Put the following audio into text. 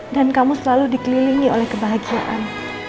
dan kamu selalu dikelilingi oleh kebahagiaan